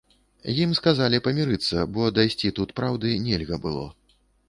Ім сказалі памірыцца, бо дайсці тут праўды нельга было.